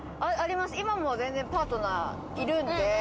今も全然パートナーいるんで。